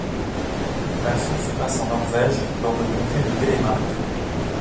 L'action se passe en Norvège, dans le comté de Telemark.